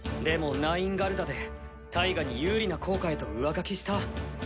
でもナインガルダでタイガに有利な効果へと上書きした。